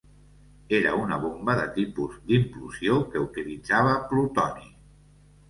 Era una bomba de tipus d'implosió que utilitzava plutoni.